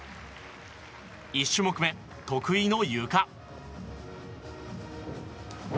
１種目目、得意のゆか。